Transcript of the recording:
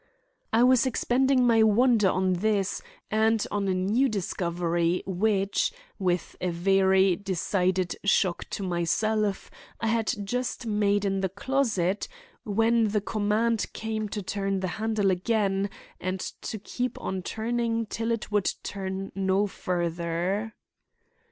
I was expending my wonder on this and on a new discovery which, with a very decided shock to myself I had just made in the closet, when the command came to turn the handle again and to keep on turning it till it would turn no farther.